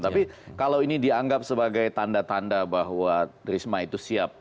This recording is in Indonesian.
tapi kalau ini dianggap sebagai tanda tanda bahwa risma itu siap